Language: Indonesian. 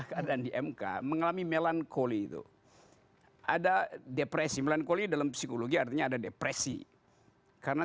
keadaan di mk mengalami melankoli itu ada depresi melankoli dalam psikologi artinya ada depresi karena